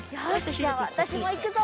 じゃあわたしもいくぞ！